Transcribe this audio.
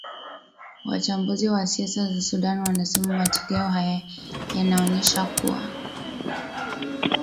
wachambuzi wa siasa za sudan wanasema matokeo haya yanaonyesha kuwa